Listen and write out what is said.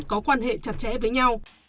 có quan hệ chặt chẽ với nhau